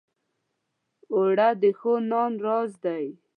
اوړه د ښو نان راز دی